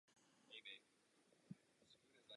Slušné ceny a stabilní trh zaručují zemědělcům příjem.